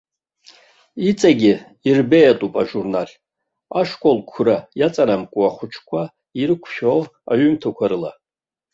Иҵегьы ирбеиатәуп ажурнал ашколқәра иаҵанамкуа ахәыҷқәа ирықәшәо аҩымҭақәа рыла.